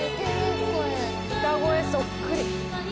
歌声そっくり。